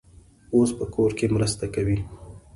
اوس په کور کې مرسته کوي.